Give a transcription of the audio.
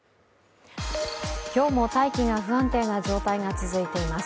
今日も大気が不安定な状態が続いています。